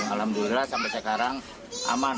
alhamdulillah sampai sekarang aman